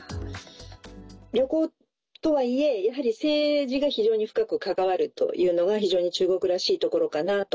旅行とはいえ、やはり政治が非常に深く関わるというのが非常に中国らしいところかなと。